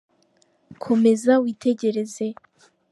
komeza witegereze.